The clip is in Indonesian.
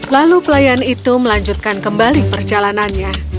lalu pelayan itu melanjutkan kembali perjalanannya